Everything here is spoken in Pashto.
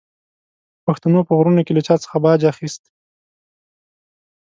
پښتنو په غرونو کې له چا څخه باج اخیست.